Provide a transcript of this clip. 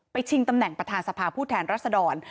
ชิงตำแหน่งประธานสภาผู้แทนรัศดร